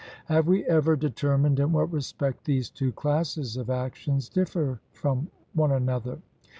Have we ever determined in what respect these two classes of actions differ from one another?